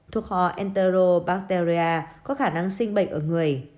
thuộc họ enterobacteria có khả năng sinh bệnh ở người